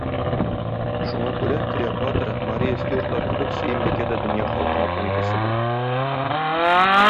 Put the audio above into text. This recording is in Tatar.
Шуңа күрә, Клеопатра, Мария Стюартлар кебек, Сөембикә дә дөнья халкына танытасы бар.